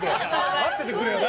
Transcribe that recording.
待っててくれよな。